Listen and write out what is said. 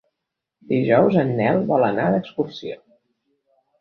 Dijous en Nel vol anar d'excursió.